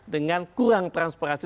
dengan kurang transparansi